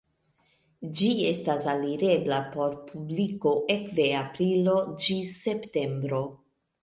Ĝi estas alirebla por publiko ekde aprilo ĝis septembro.